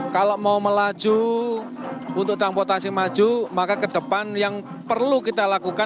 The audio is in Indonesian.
kalau mau melaju untuk transportasi maju maka ke depan yang perlu kita lakukan